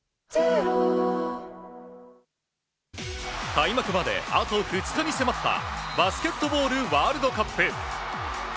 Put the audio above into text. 開幕まで、あと２日に迫ったバスケットボールワールドカップ。